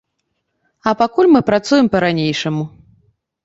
А пакуль мы працуем па-ранейшаму.